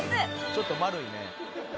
「ちょっと丸いね」